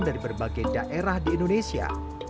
dari berbagai daerah di indonesia